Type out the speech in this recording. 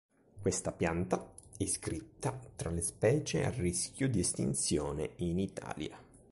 Questa pianta è iscritta tra le specie a rischio di estinzione in Italia.